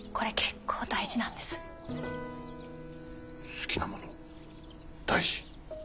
好きなもの大事。